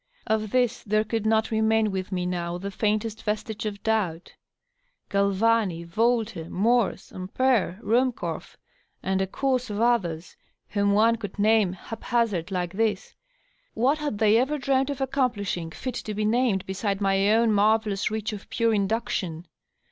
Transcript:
Of this there could not remain with me, now, the faintest vestige of doubt. Gralvani, Volta, Morse, Ampere, Ruhmkorff, and a score of others whom one could name hap hazard like this — ^what had they ever dreamed of accomplishing fit to be named beside my own marvellous reach of pure induction